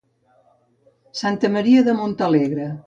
Santa Maria de Montalegre.